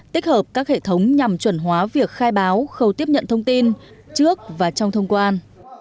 tích hợp các hệ thống nhằm chuẩn hóa việc khai báo khâu tiếp nhận thông tin trước và trong thông quan